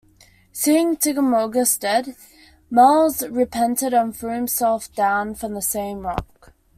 Seeing Timagoras dead, Meles repented and threw himself down from the same rock.